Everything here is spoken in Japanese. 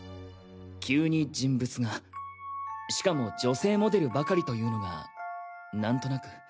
急に人物画しかも女性モデルばかりというのがなんとなく。